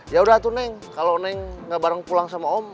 yaudah tuh neng kalo neng gak bareng pulang sama om